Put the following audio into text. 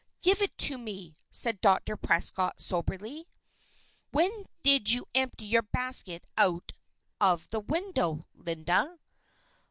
"Give it to me," said Dr. Prescott, soberly. "When did you empty your basket out of the window, Linda?"